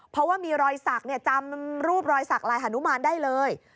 เพราะว่ามีรอยสักจำรูปรอยสักลายฮานุมานได้เลย